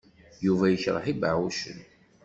Yuba yekṛeh ibeɛɛucen.